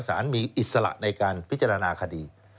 สารมีอิสระในการพิจารณาคดี